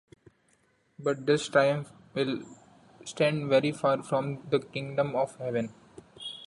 But this triumph will stand very far from the Kingdom of Heaven.